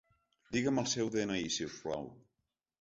Diguem el seu de-ena-i, si us plau.